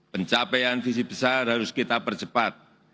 pencapaian visi besar harus kita percepat